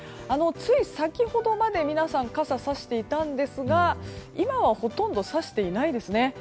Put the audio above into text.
つい先ほどまで皆さん、傘をさしていたんですが今はほとんどさしていないですね。